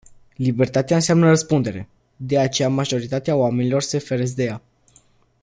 Libertatea înseamnă răspundere. De aceea majoritatea oamenilor se feresc de ea.